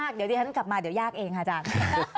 เดี๋ยวดิฉันกลับมาเดี๋ยวยากเองค่ะอาจารย์